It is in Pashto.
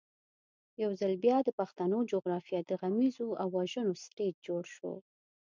یو ځل بیا د پښتنو جغرافیه د غمیزو او وژنو سټېج جوړ شو.